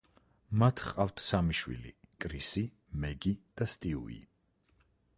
მათ ჰყავთ სამი შვილი: კრისი, მეგი და სტიუი.